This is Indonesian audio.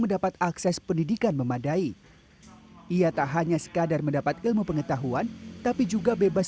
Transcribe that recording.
mendapat akses pendidikan memadai ia tak hanya sekadar mendapat ilmu pengetahuan tapi juga bebas